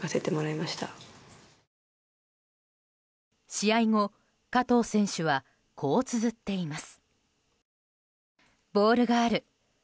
試合後、加藤選手はこうつづっています。